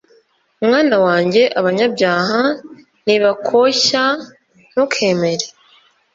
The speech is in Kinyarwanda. mwana wanjye, abanyabyaha nibakoshya ntukemere